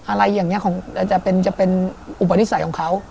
อะไรอย่างนี้จะเป็นอุปนิสัยของเขา